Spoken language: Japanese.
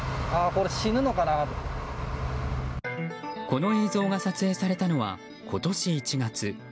この映像が撮影されたのは今年１月。